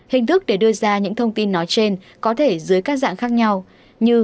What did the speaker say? hình thức để đưa ra những thông tin nói trên có thể dưới các dạng khác nhau như